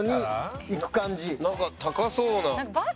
なんか高そうな。